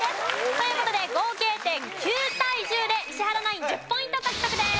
という事で合計点９対１０で石原ナイン１０ポイント獲得です。